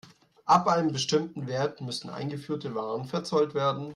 Ab einem bestimmten Wert müssen eingeführte Waren verzollt werden.